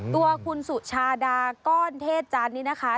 ตัวคุณสุชาได้ก้อนเทชาณีนะค้า